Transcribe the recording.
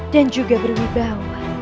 dan juga berwibawa